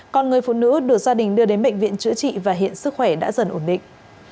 còn người phụ nữ được gia đình đưa đến bệnh viện chữa trị và hiện sức khỏe đã dần ổn định